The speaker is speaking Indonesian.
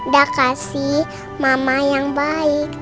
dia kasih mama yang baik